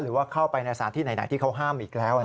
หรือว่าเข้าไปในสถานที่ไหนที่เขาห้ามอีกแล้ว